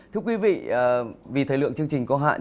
thưa quý vị vì thời lượng chương trình có hạn